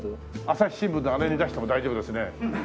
朝日新聞のあれに出しても大丈夫ですね。